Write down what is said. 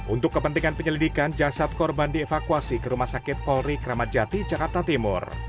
untuk kepentingan penyelidikan jasad korban dievakuasi ke rumah sakit polri kramat jati jakarta timur